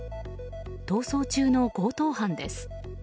逃走中の強盗犯です。